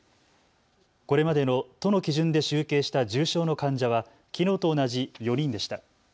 これまでの都の基準で集計した重症の患者はきのうと同じ４人でした。